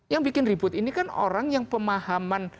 yang bikin ribut ini kan orang yang pemahaman